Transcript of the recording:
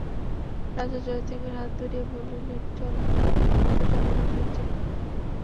রাজা জয়সিংহের হাত ধরিয়া বলিলেন, চলো, আমার সঙ্গে প্রাসাদে চলো।